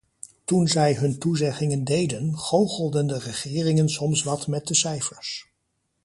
Toen zij hun toezeggingen deden, goochelden de regeringen soms wat met de cijfers.